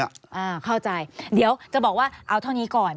อ่าเข้าใจเดี๋ยวจะบอกว่าเอาเท่านี้ก่อน